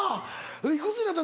いくつになった？